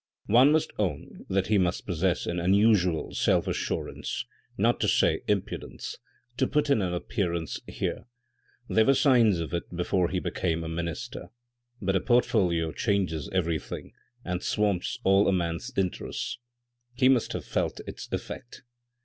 "One must own that he must possess an unusual self assurance, not to say impudence, to put in an appearance here There were signs of it before he became a minister ; but a portfolio changes everything and swamps all a man's interests ; he must have felt its effect."